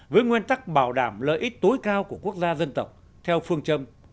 với nguyên tắc bảo đảm lợi ích tối cao của quốc gia dân tộc theo phương châm